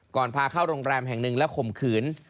ก่อนพาเข้ารงแรมแห่งนึงแล้วคมขืน